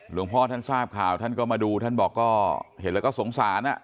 หลวงพ่อท่านทราบข่าวท่านก็มาดูท่านบอกก็เห็นแล้วก็สงสาร